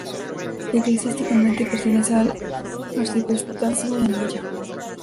Eclesiásticamente pertenece al Arciprestazgo de Amaya.